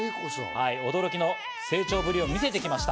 驚きの成長ぶりを見せてきました。